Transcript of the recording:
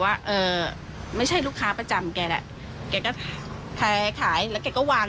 ว่าเอ่อไม่ใช่ลูกค้าประจำแกแหละแกก็ขายขายแล้วแกก็วาง